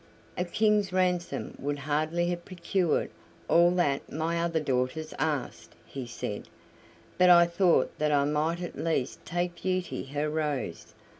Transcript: "A king's ransom would hardly have procured all that my other daughters asked." he said: "but I thought that I might at least take Beauty her rose.